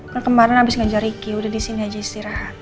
kan kemarin habis ngajar ricky udah di sini aja istirahat